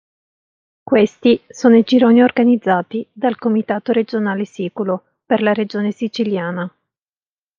Questi sono i gironi organizzati dal Comitato Regionale Siculo per la Regione Siciliana.